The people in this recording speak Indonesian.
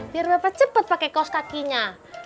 biar bapak cepat pakai kaos kakinya